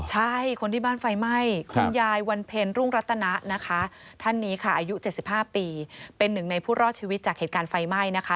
ใช่คนที่บ้านไฟไหม้คุณยายวันเพ็ญรุ่งรัตนะนะคะท่านนี้ค่ะอายุ๗๕ปีเป็นหนึ่งในผู้รอดชีวิตจากเหตุการณ์ไฟไหม้นะคะ